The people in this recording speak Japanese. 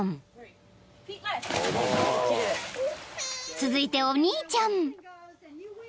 ［続いてお兄ちゃん］